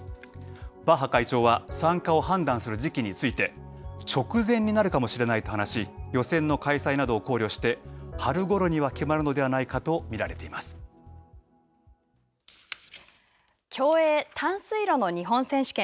バッハ会長は参加を判断する時期について、直前になるかもしれないと話し、予選の開催などを考慮して、春ごろには決まるのではないかと見られ競泳、短水路の日本選手権。